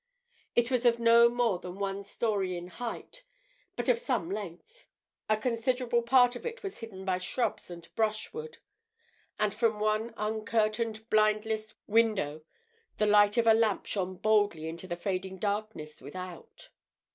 It was of no more than one storey in height, but of some length; a considerable part of it was hidden by shrubs and brushwood. And from one uncurtained, blindless window the light of a lamp shone boldly into the fading darkness without.